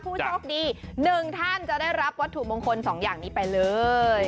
ผู้โชคดี๑ท่านจะได้รับวัตถุมงคล๒อย่างนี้ไปเลย